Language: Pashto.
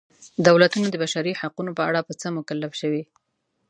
دولتونه د بشري حقونو په اړه په څه مکلف شوي.